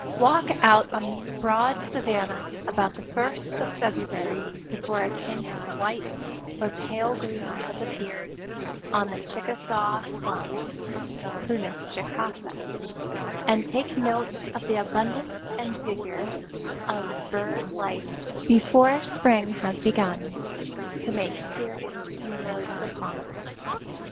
Walk out on these broad savannas about the first of February before a tint of white or pale green has appeared on the chicasaw plum (Prunus chicasa) and take note of the abundance and vigor of bird life before spring has begun to make serious inroads upon it.